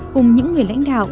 cùng những người lãnh đạo